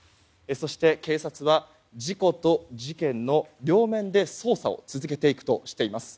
そして警察は事故と事件の両面で捜査を続けていくとしています。